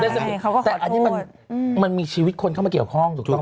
แต่อันนี้มันมีชีวิตคนเข้ามาเกี่ยวข้องถูกต้องไหม